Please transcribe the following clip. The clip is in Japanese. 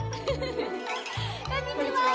こんにちは！